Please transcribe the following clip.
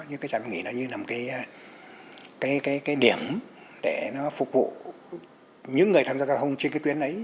như cái trạm dừng nghỉ nó như là một cái điểm để nó phục vụ những người tham gia giao thông trên cái tuyến ấy